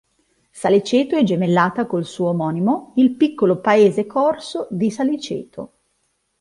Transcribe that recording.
Saliceto è gemellata col suo omonimo, il piccolo paese corso di Saliceto.